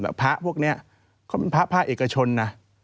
แต่ภาคพวกนี้เขาเป็นภาพ่าเอกชนนะ